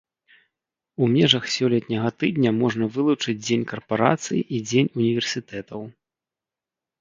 У межах сёлетняга тыдня можна вылучыць дзень карпарацый і дзень універсітэтаў.